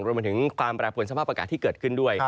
รวมถึงความแปรปวนสภาพอากาศที่เกิดขึ้นด้วย